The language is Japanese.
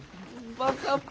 分かった。